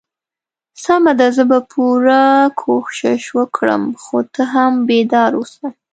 سمه ده زه به پوره کوشش وکړم خو ته هم بیدار اوسه.